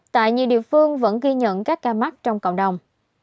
tại nhiều địa phương vẫn ghi nhận các ca mắc trong cộng đồng